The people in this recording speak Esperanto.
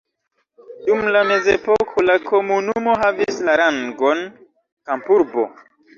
Dum la mezepoko la komunumo havis la rangon kampurbo.